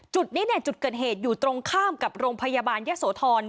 จุดนี้เนี่ยจุดเกิดเหตุอยู่ตรงข้ามกับโรงพยาบาลยะโสธร